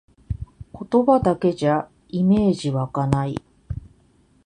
言葉だけじゃイメージわかない